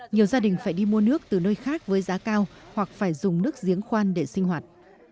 nhiều gia đình phải đi mua nước từ nơi khác với giá cao hoặc phải dùng nước giếng khoan để sinh hoạt